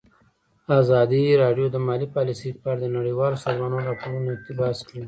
ازادي راډیو د مالي پالیسي په اړه د نړیوالو سازمانونو راپورونه اقتباس کړي.